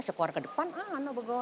sekuat ke depan ah nggak ada apa apa